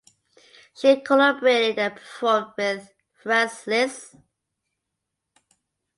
She collaborated and performed with Franz Liszt.